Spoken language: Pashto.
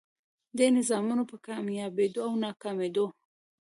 دې نظامونو په کاميابېدو او ناکامېدو